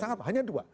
sangat hanya dua